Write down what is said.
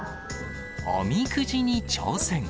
おみくじに挑戦。